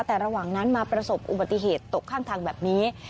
แต่ระหว่างนั้นมาประสบอุบัติเหตุตกข้างทางแบบนี้